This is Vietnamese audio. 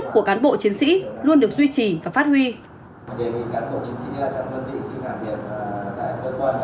đề nghị cán bộ chiến sĩ trong đơn vị khi làm việc tại cơ quan là phải thường xuyên đem một trang sử dụng nước sử dụng các quần